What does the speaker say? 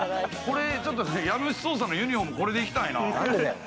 家主捜査のユニホーム、これで行きたいな。